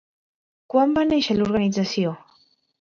Quan va néixer l'organització?